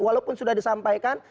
walaupun sudah disampaikan